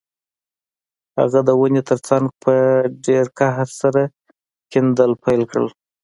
هغه د ونې ترڅنګ په ډیر قهر سره کیندل پیل کړل